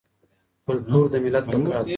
کلتور د ملت بقا ده.